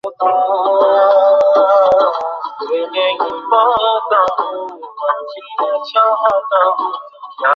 এ কারণে সে মদ খেত।